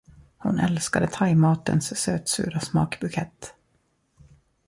Hon älskade thaimatens sötsura smakbukett